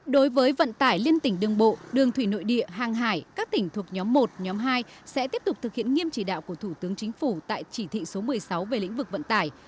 đối với vận tải liên tỉnh đường bộ đường thủy nội địa hàng hải các tỉnh thuộc nhóm một nhóm hai sẽ tiếp tục thực hiện nghiêm chỉ đạo của thủ tướng chính phủ tại chỉ thị số một mươi sáu về lĩnh vực vận tải